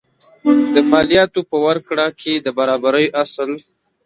د مالیاتو په ورکړه کې د برابرۍ اصل.